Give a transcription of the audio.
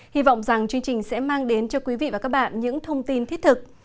hy vọng rằng chương trình sẽ mang đến cho quý vị và các bạn những thông tin thiết thực